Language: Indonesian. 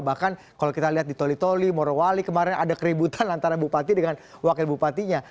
bahkan kalau kita lihat di toli toli morowali kemarin ada keributan antara bupati dengan wakil bupatinya